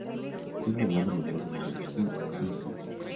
Tiene un hermano menor llamado Kim Min Gu.